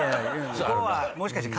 向こうはもしかして。